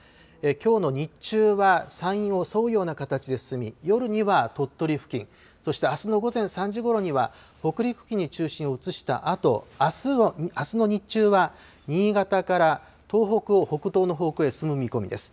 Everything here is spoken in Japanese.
きょうの日中は山陰を沿うような形で進み、夜には鳥取付近、そしてあすの午前３時ごろには北陸付近に中心を移したあとあすの日中は新潟から東北を北東の方向へ進む見込みです。